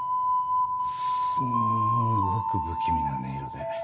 すんごく不気味な音色で。